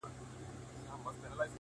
څه د مستیو ورځي شپې ووینو-